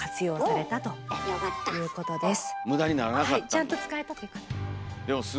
ちゃんと使えたということです。